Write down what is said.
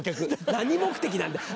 何目的なんだよ。